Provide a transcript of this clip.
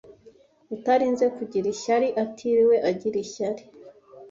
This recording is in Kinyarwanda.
utarinze kugira ishyari atiriwe agira ishyari